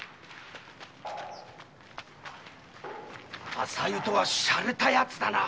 朝湯とはしゃれたやつだ。